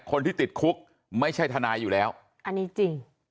คนที่ติดคุกไม่ใช่ทนายอยู่แล้วอันนี้จริง